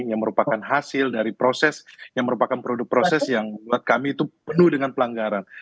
yang merupakan hasil dari proses yang merupakan produk proses yang buat kami itu penuh dengan pelanggaran